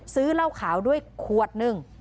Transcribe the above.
ซื้อเหล้าขาวด้วยขวดหนึ่ง